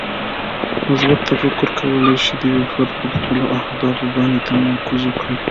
مثبت تفکر کولی شي چې یو فرد پر خپلو اهدافو باندې تمرکز وکړي.